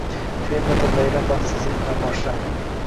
Fermada bayram baxtsizlik bilan boshlandi…